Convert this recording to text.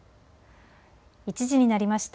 １時になりました。